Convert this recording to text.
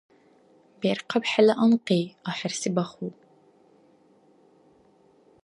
Берхъаб хӀела анкъи, ахӀерси Баху!